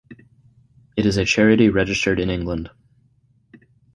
It is a charity registered in England.